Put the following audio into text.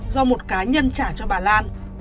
do một cá nhân trả cho bà lan